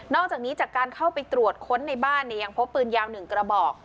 อกจากนี้จากการเข้าไปตรวจค้นในบ้านยังพบปืนยาว๑กระบอก